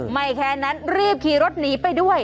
ไม่แค่นั้นรีบขี่รถหนีไปด้วย